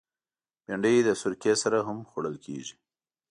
بېنډۍ د سرکه سره هم خوړل کېږي